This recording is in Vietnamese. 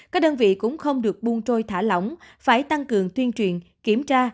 các đơn vị cũng không được buôn trôi thả lỏng phải tăng cường tuyên truyền kiểm tra